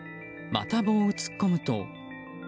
また、棒を突っ込むと。